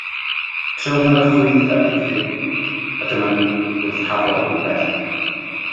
Trown ar y chwith ar hyd-ddi, a dyma ni wrth Hafod y Bibell.